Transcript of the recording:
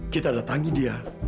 kita datangi dia